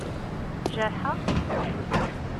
Jerḥeɣ-k?